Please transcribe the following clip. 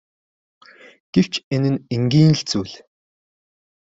Гэвч энэ нь энгийн л зүйл.